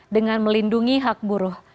dengan melindungi hak buruh